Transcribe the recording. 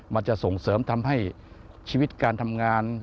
มันจะส่งเสริมทำให้ชีวิตการทำงาน